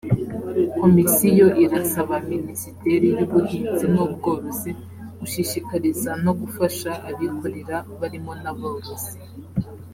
komisiyo irasaba minisiteri y’ubuhinzi n’ubworozi gushishikariza no gufasha abikorera barimo n’aborozi